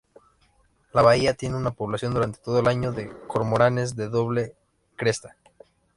La bahía tiene una población durante todo el año de cormoranes de doble cresta.